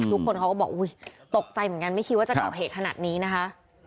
ทุกคนเขาก็บอกอุ๊ยตกใจเหมือนกันไม่คิดว่าจะก่อเหตุขนาดนี้นะคะ